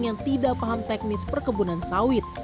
yang tidak paham teknis perkebunan sawit